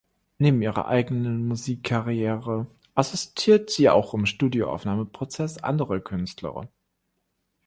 Neben ihrer eigenen Musikkarriere assistiert sie auch im Studioaufnahmeprozess anderer Künstler.